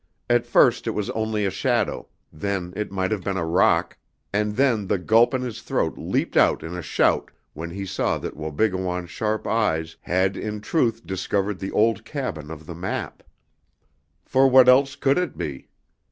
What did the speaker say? At first it was only a shadow, then it might have been a rock, and then the gulp in his throat leaped out in a shout when he saw that Wabigoon's sharp eyes had in truth discovered the old cabin of the map. For what else could it be?